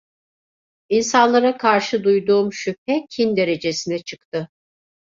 İnsanlara karşı duyduğum şüphe, kin derecesine çıktı.